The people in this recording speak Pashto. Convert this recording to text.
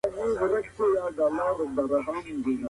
د رسول اکرم صلی الله عليه وسلم د عمه زوی دی.